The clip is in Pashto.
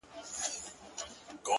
هغه به چاسره خبري کوي;